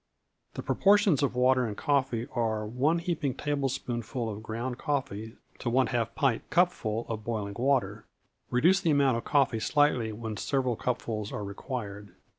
The proportions of water and coffee are one heaping tablespoonful of ground coffee to one half pint cupful of boiling water. Reduce the amount of coffee slightly when several cupfuls are required.